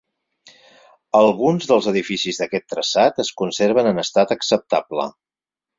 Alguns dels edificis d'aquest traçat es conserven en estat acceptable.